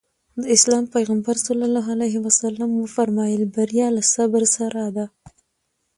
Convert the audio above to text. د اسلام پيغمبر ص وفرمايل بريا له صبر سره ده.